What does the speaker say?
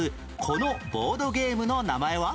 このボードゲームの名前は？